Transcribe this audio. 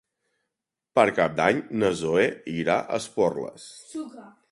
Per Cap d'Any na Zoè irà a Esporles.